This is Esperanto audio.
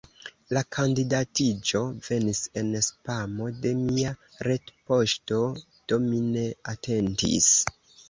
La kandidatiĝo venis en spamo de mia retpoŝto, do mi ne atentis.